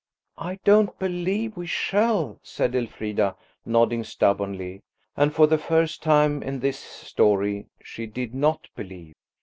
"I don't believe we shall," said Elfrida, nodding stubbornly, and for the first time in this story she did not believe.